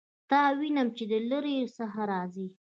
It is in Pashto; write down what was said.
تا وینم چې د لیرې څخه راځې